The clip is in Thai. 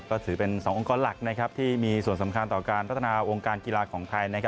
ก็ถือเป็น๒องค์กรหลักที่มีส่วนสำคัญต่อการพัฒนาวงการกีฬาของไทย